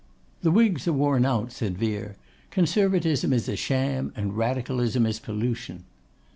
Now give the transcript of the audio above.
'The Whigs are worn out,' said Vere, 'Conservatism is a sham, and Radicalism is pollution.